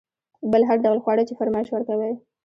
بل هر ډول خواړه چې فرمایش ورکوئ.